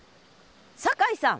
酒井さん！